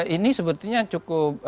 ini sebetulnya cukup